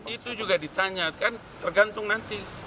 itu juga ditanya kan tergantung nanti